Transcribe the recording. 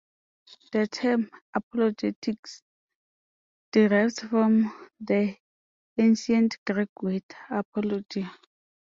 The term "apologetics" derives from the Ancient Greek word "apologia".